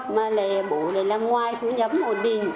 mà bố này là ngoài thu nhập ổn định